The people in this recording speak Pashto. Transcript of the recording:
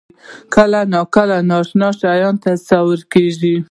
کله ناکله د نااشنا شیانو تصور کېږي.